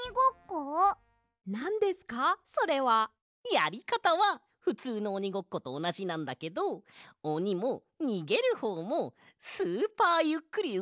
やりかたはふつうのおにごっことおなじなんだけどおにもにげるほうもスーパーゆっくりうごかないとだめなんだ！